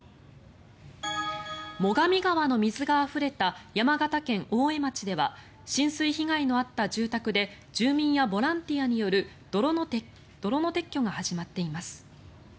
最上川の水があふれた山形県大江町では浸水被害のあった住宅で住民やボランティアによる泥の撤去が始まっています。